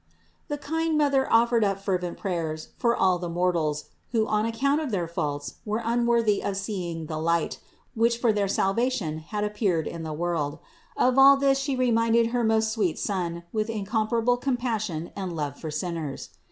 The kind Mother offered up fervent prayers for all the mortals, who on account of their faults were unworthy of seeing the light, which for their salvation had ap peared in the world ; of all this She reminded her most sweet Son with incomparable compassion and love for sinners.